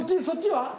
そっちは？